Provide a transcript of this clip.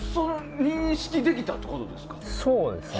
認識できたってことですか？